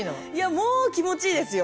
もう気持ちいいですよ。